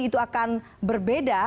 itu akan berbeda